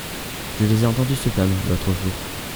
Je les ai entendu se plaindre l'autre jour.